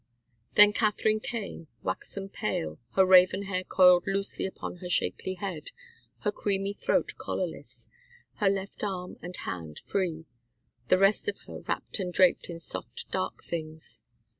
Then Katharine came, waxen pale, her raven hair coiled loosely upon her shapely head, her creamy throat collarless, her left arm and hand free, the rest of her wrapped and draped in soft, dark things.